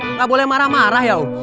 nggak boleh marah marah ya